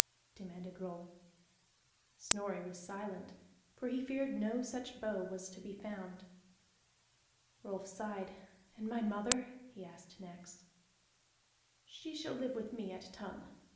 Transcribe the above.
demanded Rolf. Snorri was silent, for he feared no such bow was to be found. Rolf sighed. "And my mother?" he asked next. "She shall live with me at Tongue.